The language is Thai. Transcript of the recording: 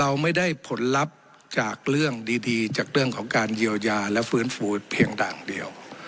เราไม่ได้ผลลัพธ์จากเรื่องดีจากเรื่องของการเยียวยาและฟื้นฟูเพียงด่างเดียว